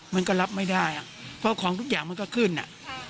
มันก็รับไม่ได้อ่ะเพราะของทุกอย่างมันก็ขึ้นอ่ะ